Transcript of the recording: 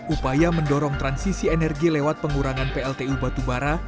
upaya mendorong transisi energi lewat pengurangan pltu batubara